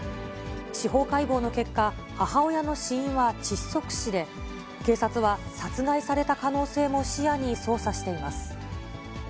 司法解剖の結果、母親の死因は窒息死で、警察は殺害された可能性も視野に捜査しています。